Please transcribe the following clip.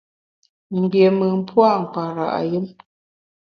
Mgbiémùn pua’ mkpara’ yùm.